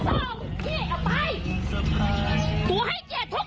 มึงไม่พามันไปกินน้ำเย็นที่บ้านกูเลย